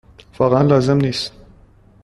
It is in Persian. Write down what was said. واقعا لازم نیست.